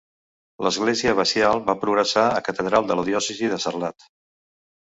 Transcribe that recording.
L'església abacial va progressar a catedral de la diòcesi de Sarlat.